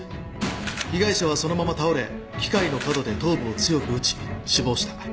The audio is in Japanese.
被害者はそのまま倒れ機械の角で頭部を強く打ち死亡した。